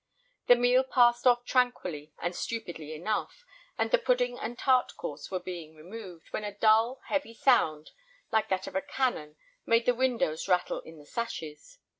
The meal passed off tranquilly and stupidly enough, and the pudding and tart course was being removed, when a dull, heavy sound, like that of a cannon, made the windows rattle in the sashes.